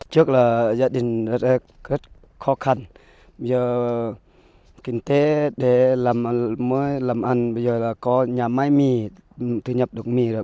trước là gia đình rất khó khăn bây giờ kinh tế để làm mới làm ăn bây giờ là có nhà máy mì thu nhập được mì rồi